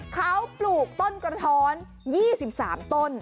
เขาปลูกต้นกระท้อน๒๓ต้น